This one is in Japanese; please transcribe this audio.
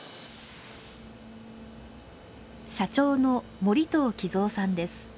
社長の森藤喜三さんです。